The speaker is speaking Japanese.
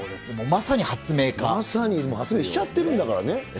まさに発明しちゃってるんだからね。